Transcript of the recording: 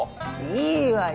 いいわよ